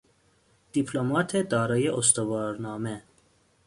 دیپلمات دارای استوارنامه